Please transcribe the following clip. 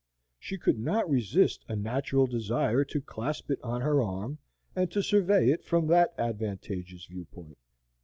She could not resist a natural desire to clasp it on her arm, and to survey it from that advantageous view point.